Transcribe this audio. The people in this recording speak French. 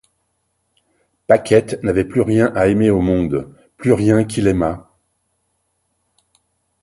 Paquette n'avait plus rien à aimer au monde, plus rien qui l'aimât.